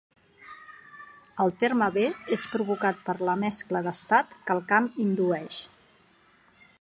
El terme B és provocat per la mescla d'estat que el camp indueix.